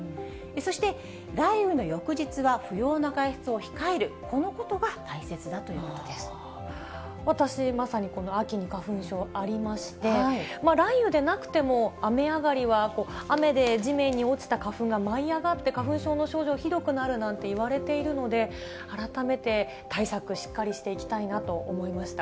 そして雷雨の翌日は不要な外出を控える、このことが大切だという私、まさにこの秋の花粉症ありまして、雷雨でなくても、雨上がりは、雨で地面に落ちた花粉が舞い上がって、花粉症の症状ひどくなるなんていわれているので、改めて対策、しっかりしていきたいなと思いました。